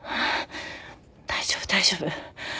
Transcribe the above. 大丈夫大丈夫。